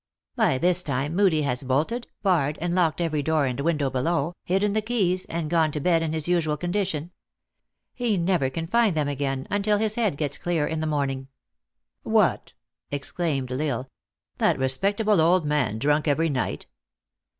By this time Moodie has bolted, barred, and locked every door and window below, hidden the keys, and gone to bed in his usual condition. He never can find them again, until his head gets clear in the morning." "Wiiat!" exclaimed L isle, " that respectable old man drunk every night!"